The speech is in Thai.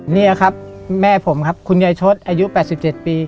นี่ครับแม่ผมครับคุณยายชดอายุ๘๗ปี